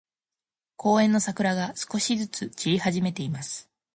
公園の桜が、少しずつ散り始めています。